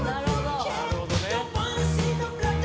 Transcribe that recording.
なるほど。